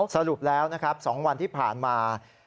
สรุปแล้วนะครับ๒วันที่ผ่านมา